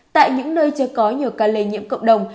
tại những nơi chưa có nhiều ca lây nhiễm cộng đồng